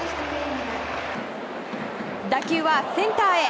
打球はセンターへ。